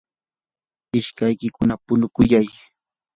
ishkaykikuna punukuyay.